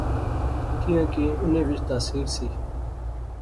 کیاں کہ انیں وچ تاثیر سی